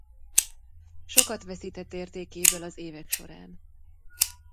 Sokat veszített értékéből az évek során.